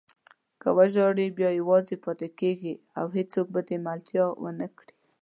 که وژاړې بیا یوازې پاتې کېږې او هېڅوک به دې ملتیا ونه کړي.